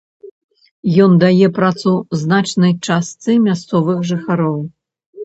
Ён дае працу значнай частцы мясцовых жыхароў.